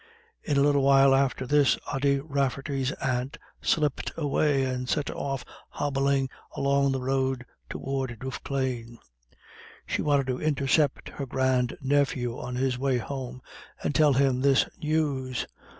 In a little while after this Ody Rafferty's aunt slipped away, and set off hobbling along the road towards Duffclane. She wanted to intercept her grand nephew on his way home and tell him this news.